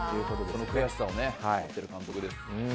その悔しさを持っている監督です。